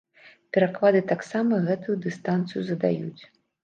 Пераклады таксама гэтую дыстанцыю задаюць.